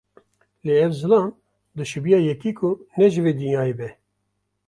Lê ev zilam, dişibiya yekî ku ne ji vê dinyayê be.